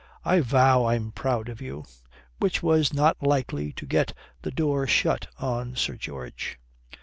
I vow I'm proud of you." Which was not likely to get the door shut on Sir George.